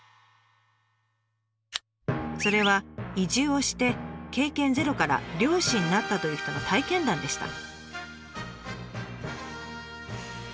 それは移住をして経験ゼロから漁師になったという人の体験談でした。